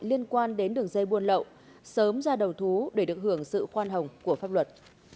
liên quan đến đường dây buôn lậu sớm ra đầu thú để được hưởng sự khoan hồng của pháp luật